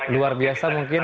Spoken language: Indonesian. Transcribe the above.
luar biasa mungkin